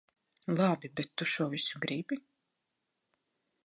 Labi, bet tu šo visu gribi?